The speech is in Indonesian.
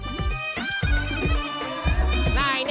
ketujuh ialah orang yang berhak menerima